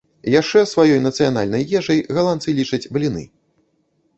Яшчэ сваёй нацыянальнай ежай галандцы лічаць бліны.